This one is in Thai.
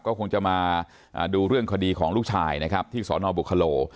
ก็คงจะมาดูเรื่องคดีของลูกชายนะครับที่สนบุคโล